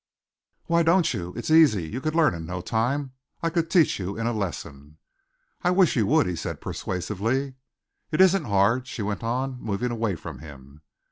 "Why don't you? It's easy. You could learn in no time. I could teach you in a lesson." "I wish you would," he said persuasively. "It isn't hard," she went on, moving away from him.